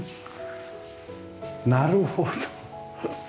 なるほど。